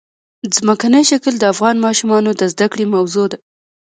ځمکنی شکل د افغان ماشومانو د زده کړې موضوع ده.